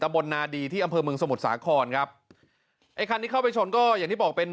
บนนาดีที่อำเภอเมืองสมุทรสาครครับไอ้คันที่เข้าไปชนก็อย่างที่บอกเป็น